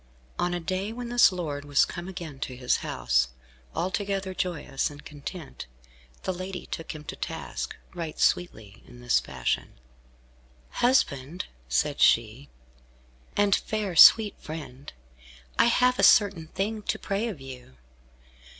On a day when this lord was come again to his house, altogether joyous and content, the lady took him to task, right sweetly, in this fashion, "Husband," said she, "and fair, sweet friend, I have a certain thing to pray of you.